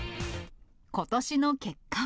ことしの結果は。